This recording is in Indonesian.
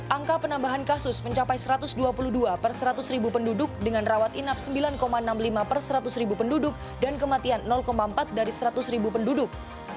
angka penambahan kasus mencapai satu ratus dua puluh dua per seratus ribu penduduk dengan rawat inap sembilan enam puluh lima per seratus ribu penduduk dan kematian empat dari seratus ribu penduduk